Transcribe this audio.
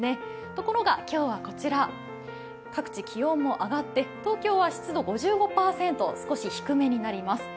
ところが、今日は各地、気温も上がって、東京は湿度５５％、少し低めになります。